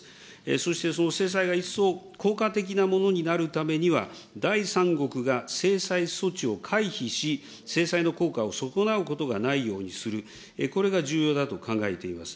そしてその制裁が一層効果的なものになるためには、第三国が制裁措置を回避し、制裁の効果を損なうことがないようにする、これが重要だと考えています。